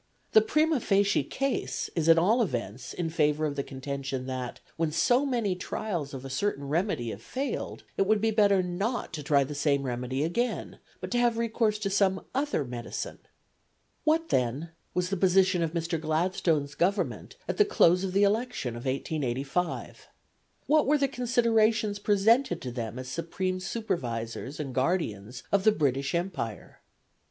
The primâ facie case is at all events in favour of the contention that, when so many trials of a certain remedy have failed, it would be better not to try the same remedy again, but to have recourse to some other medicine. What, then, was the position of Mr. Gladstone's Government at the close of the election of 1885? What were the considerations presented to them as supreme supervisors and guardians of the British Empire?